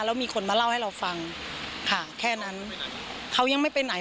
แล้วมีคนมาเล่าให้เราฟังค่ะแค่นั้นเขายังไม่ไปไหน